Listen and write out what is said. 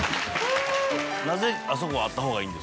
なぜあそこはあった方がいいんですか？